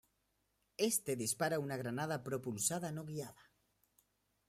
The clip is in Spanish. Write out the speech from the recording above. Éste dispara una granada propulsada no guiada.